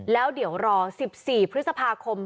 แล้วเดี๋ยวรอ๑๔พฤษภาคม